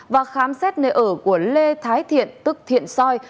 và khám xét nơi ở của lê thái thiện tức thiện soi